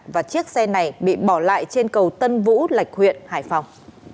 và chiếc xe này bị bỏ lại trên cầu tân vũ lạch huyện hải phòng